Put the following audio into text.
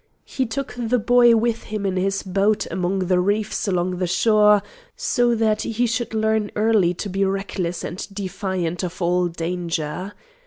He took the boy with him in his boat among the reefs along the shore, so that he should learn early to be reckless and defiant of all danger.